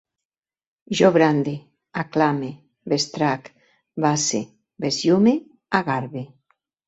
Jo brande, aclame, bestrac, base, besllume, agarbe